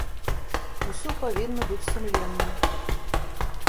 Усё павінна быць сумленна.